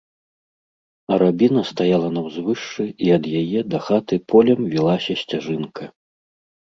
Арабіна стаяла на ўзвышшы, і ад яе да хаты полем вілася сцяжынка.